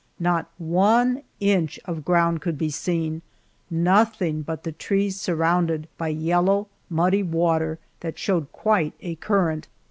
Not one inch of ground could be seen nothing but the trees surrounded; by yellow, muddy water that showed quite a current.